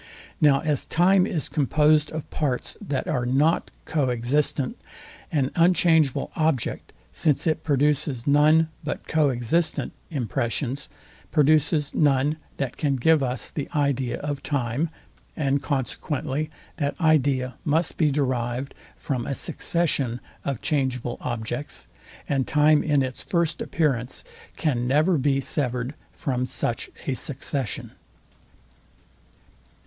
Now as time is composed of parts, that are not coexistent: an unchangeable object, since it produces none but coexistent impressions, produces none that can give us the idea of time; and consequently that idea must be derived from a succession of changeable objects, and time in its first appearance can never be severed from such a succession.